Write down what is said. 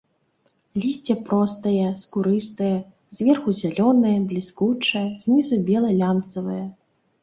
Лісце простае, скурыстае, зверху зялёнае, бліскучае, знізу бела-лямцавае.